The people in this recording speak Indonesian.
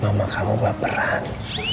mama kamu baperan